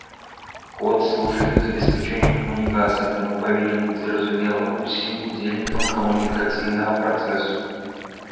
Код служыць для забеспячэння камунікацыі, таму павінен быць зразумелым усім удзельнікам камунікацыйнага працэсу.